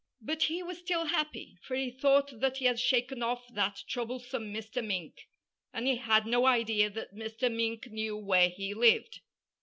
But he was still happy, for he thought that he had shaken off that troublesome Mr. Mink. And he had no idea that Mr. Mink knew where he lived.